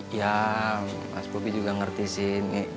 ya mas bobi juga ngerti sih